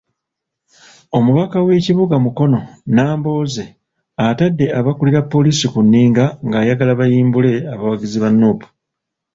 Omubaka w'ekibuga Mukono, Nambooze, atadde abakulira poliisi ku nninga ng'ayagala bayimbule abawagizi ba Nuupu.